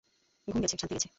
ঘুম গেছে, শান্তি গেছে।